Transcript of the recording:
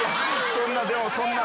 そんなでもそんな。